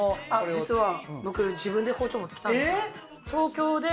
実は僕自分で包丁持ってきたんです。